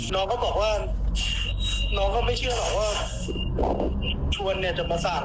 น้องก็บอกว่าน้องก็ไม่เชื่อหรอกว่าชวนเนี่ยจะมาสั่ง